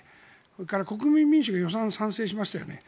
それから国民民主が予算に賛成しましたよね。